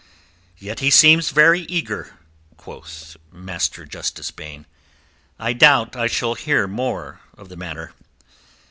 "Yet he seems very eager," quoth Master Justice Baine. "I doubt I shall hear more of the matter."